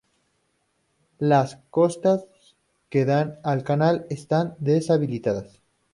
Las costas que dan al canal están deshabitadas.